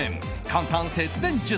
簡単節電術。